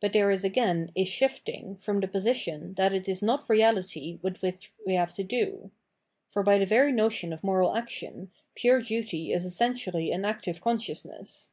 But there is again a "shifting" from the position that it is not reality with which we have to do. For, by the very notion of moral action, pure duty is essentially an active consciousness.